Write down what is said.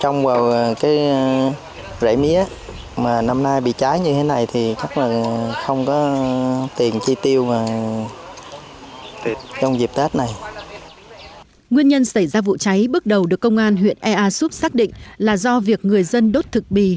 nguyên nhân xảy ra vụ cháy bước đầu được công an huyện ea súp xác định là do việc người dân đốt thực bì